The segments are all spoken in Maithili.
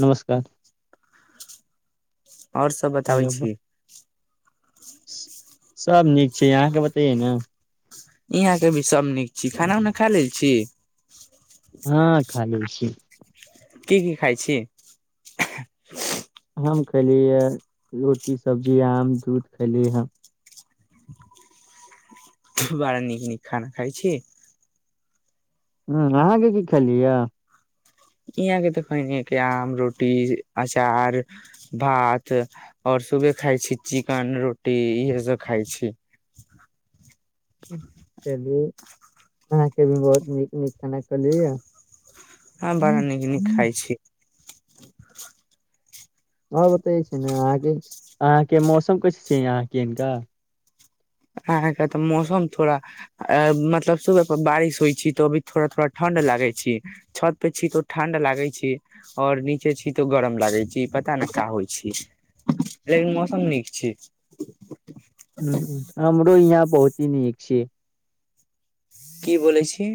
नमस्कार आओर सब बताबै हेलो छी सब नीक से अहाँके बतैयए ने यहाँके भी सब नीक छी खाना उना खा लेल छी हँ खाली [inaudible] की की खाहै छी हम खलीयै रोटी सब्जी आम दूध खेली ह बड़ा नीक नीक खाना खइ छी ह अहाँके की खेलियैए यहाँ के तऽ कहैने के आम रोटी अचार भात और सुबह खााय छी चिकन रोटी इहे सब खााय छी चलू अहाँके भी बहुत नीक नीक खाना कलिय हँ बड़ा नीक नीक खाइ छी [inaudible] ह बतै छै ने अहाँके अहाँके मौसम कैसे छिय अहाँके हिनका अहाँके तऽ मौसम थोड़ा मतलब सुबह पर बारिश होइ छी तो अभी थोड़ा थोड़ा ठण्ड लागे छी छत पे छी तो ठण्ड लागे छी और नीचे छी तो गरम लागे छी पता ने का होइ छै मौसम नीक छै ह आ यहाँ पहुँची नीक छै की बोलै छी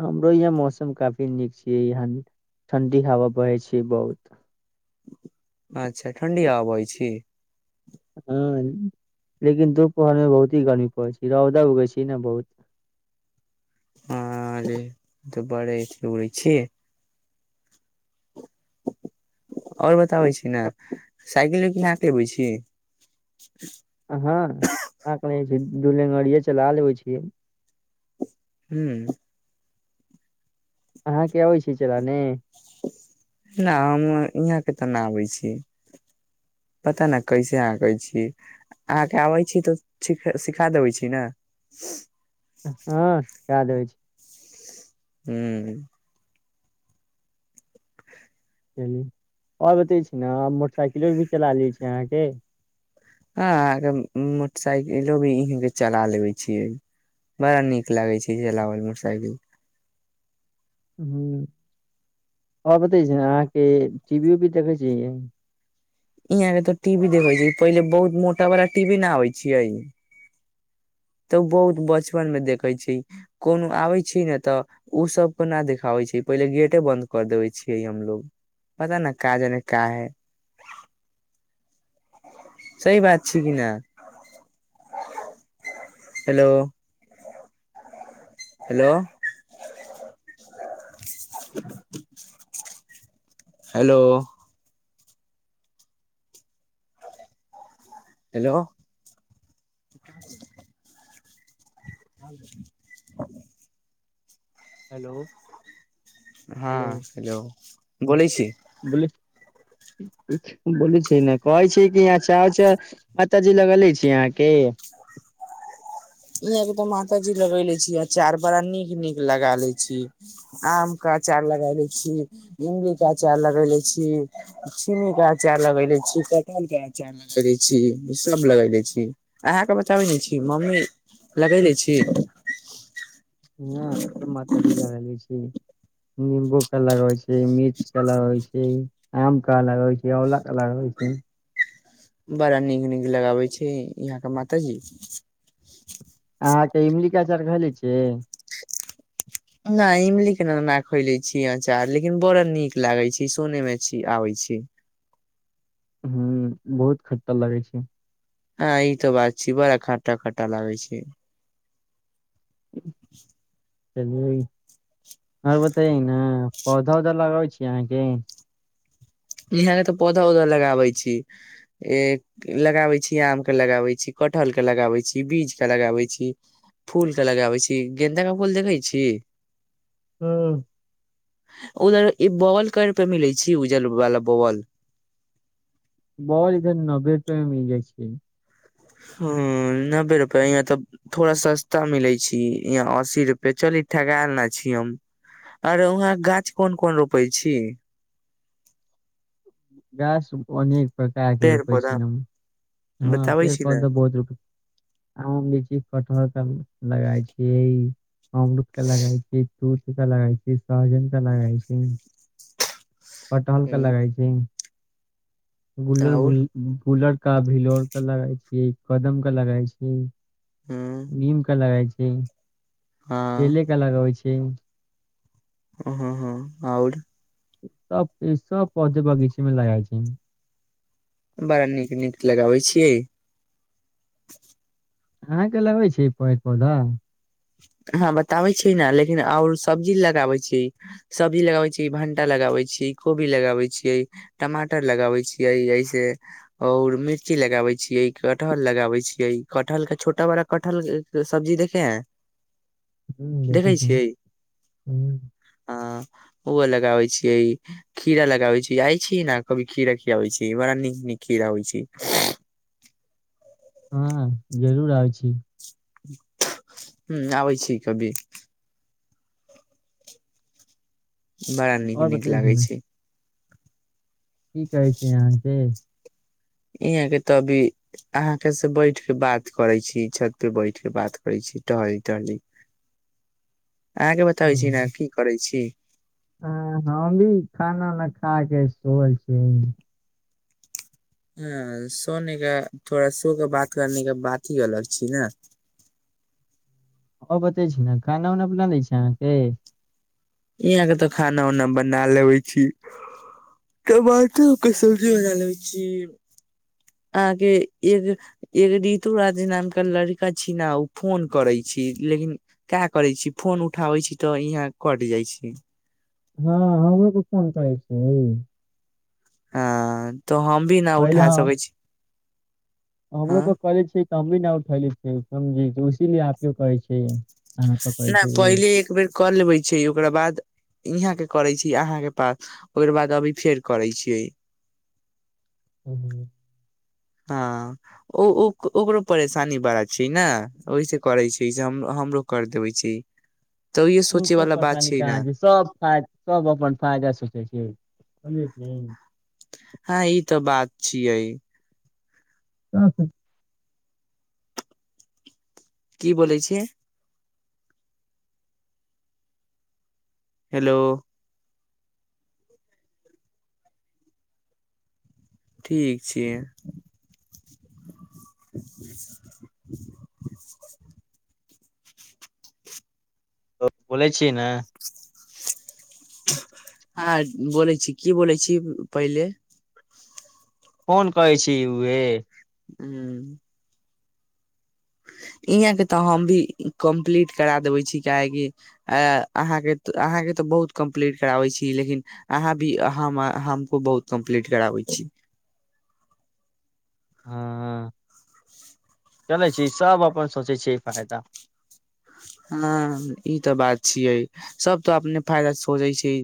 हमरो यहाँ मौसम काफी नीक छियै यहाँ ठण्डी हवा बहै छै बहुत अच्छा ठण्डी बैह छी हँ लेकिन दुपहरमे बहुत ही गर्मी पड़ै छै रौदा उगै छै ने बहुत आरे त बड़े घै छी आओर बताबै छी ने साइकिलो किह के लबै छी हँ आक दुलेगड़े चला लेबै छियै हू अहाँके अबैत छै चलाने नहि हम यहाँ के तऽ नहि आबैय छी पता नहि कैसे अहाँ कहय छी अहाँके आबैय छी तऽ सिखा देबैय छी ने हँ याद होइ छी हू चल और बतै छी ने मोटरसाइकिलो भी चला लेै छी अहाँके हँ अहाँके मोटरसाइकिलो भी इ के चला लेबे छियै बड़ा नीक लागे छै चलाबयमे मोटरसाइकिल ह आओर बतै छी अहाँके टी वी उवी देखै छीहि यहा के तऽ टीवी देखे छै पहिले बहुत मोटा बाला टीवी न आबै छैै तऽ बहुत बचपन मे देखै छै कोनो आबैय छी ने तऽ ओ सबके न देखाबै छै पहिले गेटे बन्द कर देबे छियै हमलोग पता न काजाने का है सही बात छी कि न हेलो हेलो हेलो हेलो ह हेलो हँ हेलो गै छी छै बोल छी नहि कहै छी ह च माताजी लगले छी यहाँ के मात जी लगेले छी अचार बड़ा नीक नीक लगा ले छी आम के अचार लगा ले छी इमली के अचार लगाबे छी छिमी के अचार लगाबे छी कटहल के अचार लगबे छी सब लगले छी अहाँ के बताबे ने छी मम्मी लागय दैय छी ह माती लग ले छै निमबू क अलग होइ छै मिर्च क अलग होइ छै आम का अलग होइ छै औला के अलग होइ छै बड़ा नीक नीक लगाबै छै यहाँ के मातााजी अहाँके इमल का चाउर घले छिय नहि इमली के नना खोले छीय अचार लेकिन बड़ा नीक लागे छै सुने मे छी आबै छी ह बहुत खटटा लागै छै हँ ई तो बात छै बरा खाटा खाटा लागै छै [inaudible] चल आओर बतै ने पौधा उधा लगाबै छीय अहाँकी यहाँ के तऽ पौधा उधा लगाबै छी ए लगाबै छी आम के लगाबै छी कठहल के लगाबै छी बीज के लगाबै छी फूल के लगाबै छी गेंन्दा के फूल देखैय छी हँ उधर ई बगल कार पे मिलै छै उजल बाल बअल बॉल इधर नब्बे रुपआ मे मिल जाइ छै ह नब्बे रुपआ यहाँ तऽ थोड़ा सस्ता मिलै छी यहाँ अस्सी रुपए चल ई ठगा लना छी हम आरे वहा गाछ कोन कोन रोपे छी गाछ अनेक प्रकार के पेड़ रोपे छी पौधा हम हँ बताबै पेड़ छी ने पौधा बहुत रोप आमो लीची कटहर सब लगाय छियै अमरुदके लगाइ छै दूध त लगाइ छी सहजनता लगाइ छी पटहलका लगाई छै बुललर और ब बुलर का भिलोर के लगाई छी कदम केा लगाई छी ह नीमका लगइ छै क हँ केलके अलग होइ छै [inaudible] ह हँ आओर सब सब पौधे बगीचामे लगा छै बड़ा नीक नीक लगाबै छियै अहाँके लगै छै पेड़ पौधा हँ बताबैत छीयै ने लेकिन आओर सब्जी लगाबैत छीै सब्जी लगाबैत छीयै भण्टा लगाबैत छीयै कोबी लगाबैत छियै टमाटर लगाबैत छियै ऐसे आओर मिर्ची लगाबैत छियै कटहल लगाबैत छियै कटहरके छोटा बड़ा कटहर सब्जी देखे है हुं देखै देखे छी छिय हुं आ ओहो लगाबै छियै खीरा लगाबै छी जाइ छी ने कभी खीरा खीयाबै छै बड़ा नीक नीक खीरा होइ छै हँ जरूर आब छी ह आबै छी कभी बड़ा नीक और नीक बताई छी लागै ने छै की कहै छ अहाँके यहाँ के तऽ अभी अहाँ के से बैठ के बात करै छी छत पे बैठ के बात करै छी टहली टहली अहाँके बताबै छी ने की करै छी ह हम भी खाना ने खा के सल छी ह सोने के थोड़ा शो कऽ बात करने के बात ही अलग छी ने ओ बतै छी ने खाना उना बना लै छै अहाँके यहाँ के तऽ खाना उना बना लेबे छी टमाटर के सब्जी बना लेबे छी अहाँके एक एक ऋतु राज नामके लड़िका छी ने ओ फोन करै छी लेकिन क करै छी फोन उठाबै छी तऽ यहाँ कट जाइ छी हँ हमरोके फोन करै छी हँ तऽ हम भी नहि पहले उठा हम सकै छी हमरो हँ पर कले छी तऽ हम भी न उठले छैझ इसीलिए आप केो कहै छै अहाँ पर कहै नहि छै ओ पहिले एक बेर कर लेबै छै ओकरा बाद यहाँ के करै छी अहाँके पास ओकर बाद अभी फेर करै छियै ह हँ ओ ओकरो परेशानी बड़ा छै ने ओहिसँ करै छै से हम हमरो कर देबै छै तऽ इे ई सोचे सब वाला बात परेशानी ने कहाँ छै सब फ सब अपन फायदा सोचै छै कलत [unintelligible] हँ ई तऽ बात छियै हछा की बोलै छै हेलो ठीक छै [inaudible] तऽ बोलय छी ना हँ बोलय छी की बोलय छी पहिले कोन कहै छी उहे हू इहाँके तऽ हम भी कम्प्लीट करा देबैय छी काहेकि अहाँके अहाँके तऽ बहुत कम्प्लीट कराबै छी लेकिन अहाँ भी हमको बहुत कम्प्लीट कराबै छी हँ चलै छी सभ अपन सोचैय छियै फायदा हँ ई तऽ बात छियै सभ तऽ अपने फायदा सोचै छै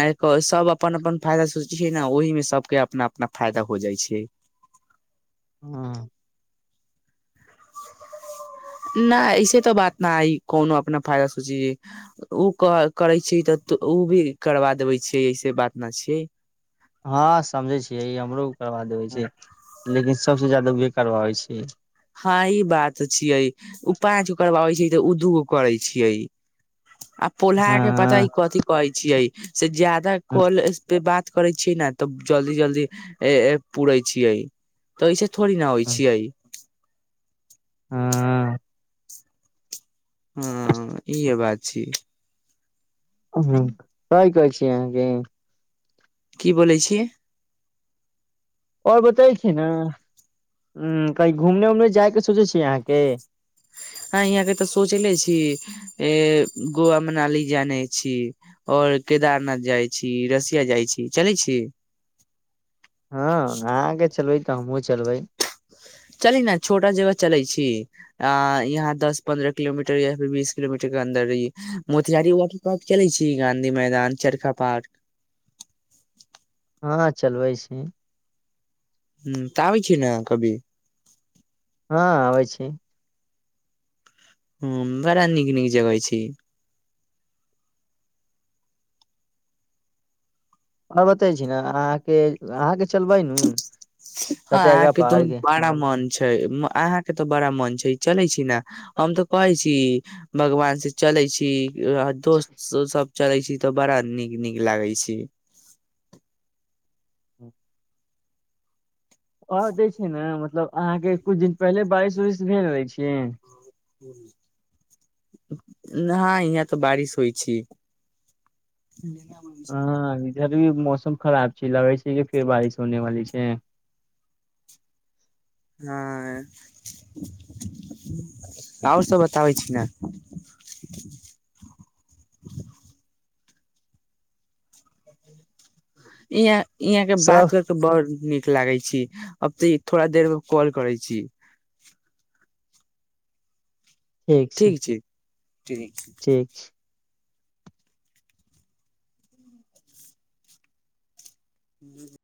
नहि सभ अपन अपन फायदा सोचैय छै ने ओहिमे सभके अपना अपना फायदा हो जाइ छै हँ नहि ऐसे तऽ बात नइ कोनो अपना फायदा सोची ओ करै छी तऽ ओ भी करबा देबे छियै ऐसे बात न छिय हँ समझै छियै ई हमरो करबा देबे छै लेकिन सबसँ ज्यदा बेकार भै छै हँ ई बात छिय अ ओ पाँच उकब होै छै उद्योग करै छियै आ पोलहा के पता ई हँ कथी कहैय छियै से ज्यादा हँ कॉलस पे बात करै छीयै ने तऽ जल्दी जल्दी पूरे छियै तऽस थोड़ी न होइ हँ छियै हँ ह ईह बात छी ह कइ कहै छी अहाँके की बोै छी ओर बतै छी ने कही घूमने उमने जाय के सोचै छी अहाँके हँ यहाँ के तऽ सोचले छी अ गोवा मनाली जाने छी आओर केदारनाथ जाइ छी रसिया जाइ छी चलै छी अहाँ के चलबे तऽ हमहु चलबै चली ने छोटा जगह चलैय छी आ यहाँ दस पन्द्रह किलोमीटर या फिर बीस किलोमीटर के अन्दर ह मोतिहारी वाटर पार्क चलैय छी गाँधी मैदान चरखा पार्क हँ चलबैय छी ह तऽ आबैय छिय ने कभी हँ आबैय छी ह बड़ा नीक नीक जगह छी अ बतै छी ने अहाँके अहाँके चलबै नू हँ सत्याग्रह अहाँके तऽ पहाड़ के बड़ा मन छै अहाँके तऽ बड़ा मन छै चलै छी ने हम तऽ कहै छी भगवान से चलै छी दोस्त सब चलै छी तऽ बड़ा नीक नीक लागय छी आर जेै छै ने मतलब अहाँके किछु दिन पहिले बारिश उरिश भेज दै छियै न इहाँ तऽ बारिश होइ छी हमर वि हँ इधर भी मौसम खराब छै लगै छै कि फेर बारिश होने वाली छै हँ आओर सब बताबै छी ने इह यहाँ के सब बात हो तऽ बड़ नीक लागै छी अब तऽ थोड़ा देर मे कॉल करै छी ठीक छै ठीक ठीक ह